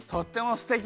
すてき！